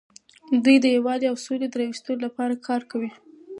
دوی د یووالي او سولې د راوستلو لپاره کار کوي.